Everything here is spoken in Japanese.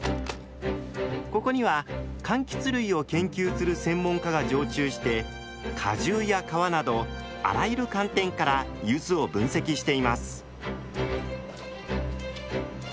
ここには柑橘類を研究する専門家が常駐して果汁や皮などあらゆる観点からゆずを分析しています。